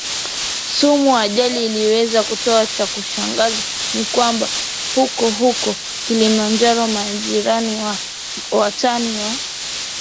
sumu ajali iliweza kutokea Cha kushangaza ni kwamba hukohuko Kilimanjaro majirani na watani wa